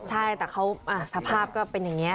ใช่แต่เขาสภาพก็เป็นอย่างนี้